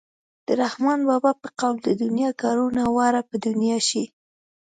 د رحمان بابا په قول د دنیا کارونه واړه په دنیا شي.